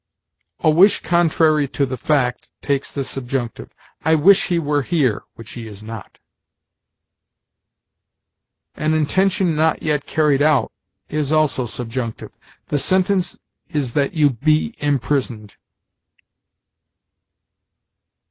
"A wish contrary to the fact takes the subjunctive: 'I wish he were here' (which he is not). "An intention not yet carried out is also subjunctive: 'The sentence is that you be imprisoned.'